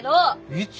いつ？